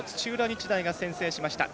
日大が先制しました。